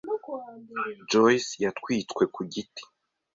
Joyci yatwitswe ku giti.